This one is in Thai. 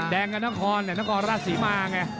แดงกับนครแต่นครราชศรีมาไง